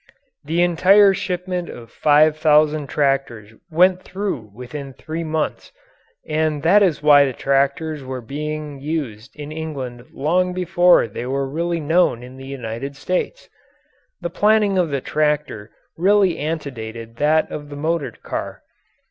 The entire shipment of five thousand tractors went through within three months and that is why the tractors were being used in England long before they were really known in the United States. The planning of the tractor really antedated that of the motor car.